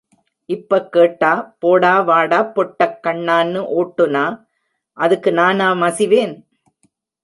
இப்பக் கேட்டா, போடா வாடாப் பொட்டக் கண்ணான்னு ஓட்டுனா அதுக்கு நானா மசிவேன்!